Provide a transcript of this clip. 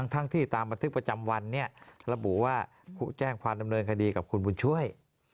ทั้งที่ตามบันทึกประจำวันเนี่ยระบุว่าแจ้งความดำเนินคดีกับคุณบุญช่วย